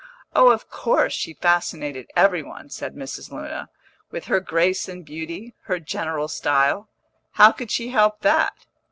"Oh, of course, she fascinated every one," said Mrs. Luna. "With her grace and beauty, her general style, how could she help that?"